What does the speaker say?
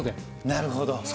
なるほど。